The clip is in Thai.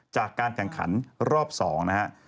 จากการแข่งขันรอบ๒นะฮะ